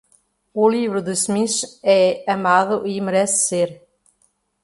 O livro de Smith é amado e merece ser.